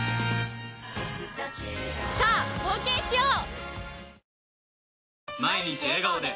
さあ冒険しよう。